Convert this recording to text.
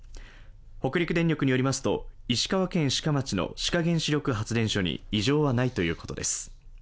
北陸電力によりますと、石川県志賀町の志賀原子力発電所に異常はないということです。